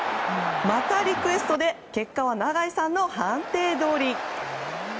またリクエストで結果は長井さんの判定どおり。